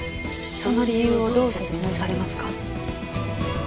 その理由をどう説明されますか？